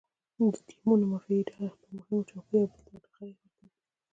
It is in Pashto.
د ټیمونو مافیایي ډلې پر مهمو چوکیو یو بل ته ډغرې ورکوي.